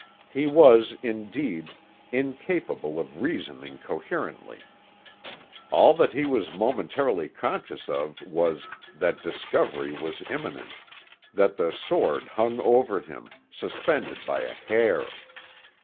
He was, indeed, incapable of reasoning coherently. All that he was momentarily conscious of was, that discovery was imminent, that the sword hung over him, suspended by a hair.